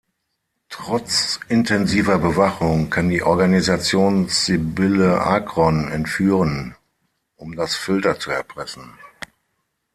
Trotz intensiver Bewachung kann die Organisation Sybille Akron entführen, um das Filter zu erpressen.